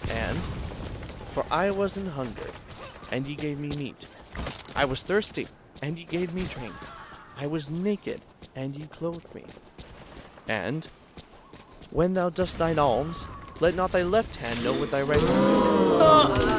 "^ And, " For I was an hungered, and ye gave me meat ; I was thirsty, and ye gave me drink; I was naked, and ye clothed* me." '^ And, " When thou doest thine alms, let not thy left hand know what thy right hand doeth."